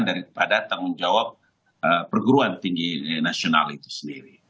daripada tanggung jawab perguruan tinggi nasional itu sendiri